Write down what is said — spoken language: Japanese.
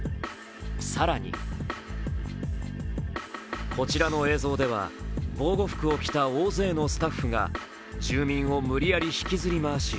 更に、こちらの映像では防護服を着た大勢のスタッフが住民を無理やり引きずり回し